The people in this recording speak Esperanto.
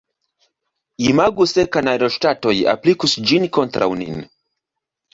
Imagu se kanajloŝtatoj aplikus ĝin kontraŭ nin!